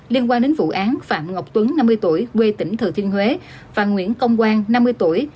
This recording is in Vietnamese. liên quan đến vụ án phạm ngọc tuấn năm mươi tuổi quê tỉnh thừa thiên huế và nguyễn công quang năm mươi tuổi